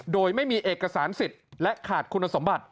โดยไม่มีเอกสารสิทธิ์และขาดคุณสมบัติ